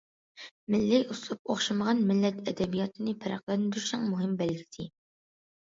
مىللىي ئۇسلۇب ئوخشىمىغان مىللەت ئەدەبىياتىنى پەرقلەندۈرۈشنىڭ مۇھىم بەلگىسى.